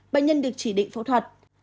bệnh nhân được chỉ định phẫu thuật